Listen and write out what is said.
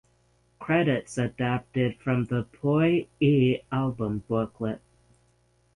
Credits adapted from the "Poi E" album booklet.